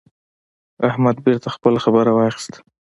احمد بېرته خپله خبره واخيسته.